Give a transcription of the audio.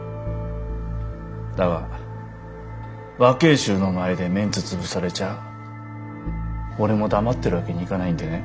だが若ぇ衆の前でメンツ潰されちゃ俺も黙ってるわけにはいかないんでね。